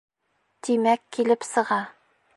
Тимәк, килеп сыға...